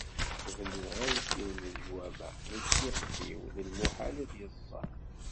Bnu alfin n leǧwameε nekki ixef-iw d lmuḥal ad yeẓẓal.